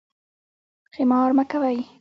قمار مه کوئ